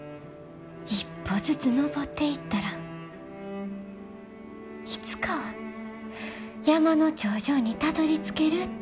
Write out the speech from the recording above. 一歩ずつ登っていったらいつかは山の頂上にたどりつけるって。